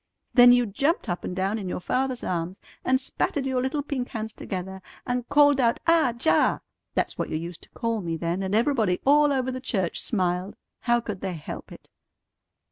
Then you jumped up and down in your father's arms, and spatted your little pink hands together, and called out 'Ah Jah!' That's what you used to call me then, and everybody all over the church smiled. How could they help it?"